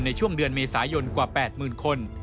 ในช่วงเดือนเมษายนกว่า๘๐๐๐คน